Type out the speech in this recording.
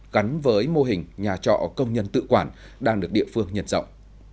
gắn với mô hình nhà trọ công nhân tự quản đang được địa phương nhận rộng